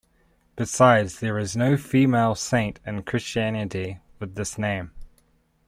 Besides there is no female saint in christianity with this name.